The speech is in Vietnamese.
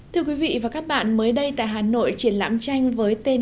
thưa quý vị và các bạn mới đây tại hà nội triển lãm tranh với tên